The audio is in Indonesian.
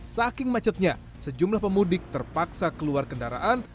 saking macetnya sejumlah pemudik terpaksa keluar kendaraan